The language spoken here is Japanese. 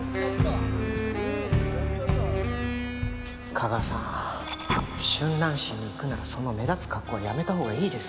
架川さん春蘭市に行くならその目立つ格好はやめたほうがいいです。